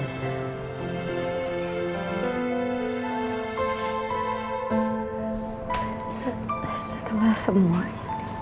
setelah semua ini